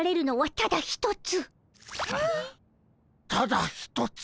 ただ一つ？